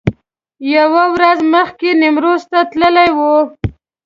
یوه ورځ مخکې نیمروز ته تللي و.